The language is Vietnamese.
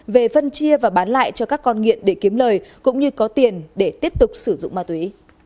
về phân chia và bán lại cho các con nghiện để kiếm lời cũng như có tiền để tiếp tục sử dụng ma túy